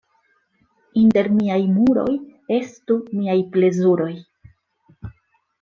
Inter miaj muroj estu miaj plezuroj.